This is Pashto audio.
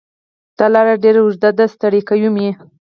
دا لار ډېره اوږده ده ستړی کوی مې